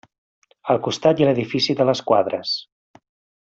Al costat hi ha l'edifici de les quadres.